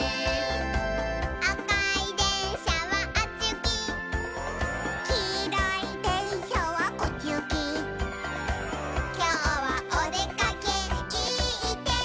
「あかいでんしゃはあっちゆき」「きいろいでんしゃはこっちゆき」「きょうはおでかけいいてんき」